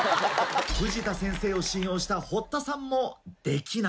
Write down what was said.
藤田先生を信用した堀田さんも「できない」。